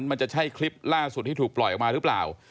มันจะใช่คลิปล่าสุดที่ถูกปล่อยออกมาหรือเปล่า